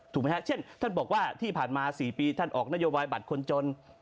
ถูกมั้ยฮะเช่นท่านบอกว่าที่ผ่านมาสี่ปีท่านออกนโยบายบัตรคนจน